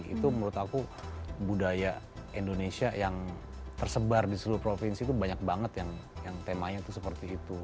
itu menurut aku budaya indonesia yang tersebar di seluruh provinsi itu banyak banget yang temanya itu seperti itu